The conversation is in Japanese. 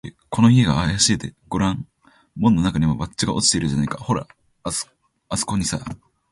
「おい、この家があやしいぜ。ごらん、門のなかにも、バッジが落ちているじゃないか。ほら、あすこにさ」